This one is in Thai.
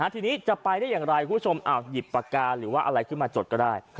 ทีนี้จะไปได้อย่างไรคุณผู้ชมหยิบปากกาหรือว่าอะไรขึ้นมาจดก็ได้